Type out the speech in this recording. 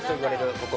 ここ